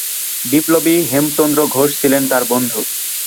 বিপ্লবী হেমচন্দ্র ঘোষ ছিলেন তাঁর বন্ধু।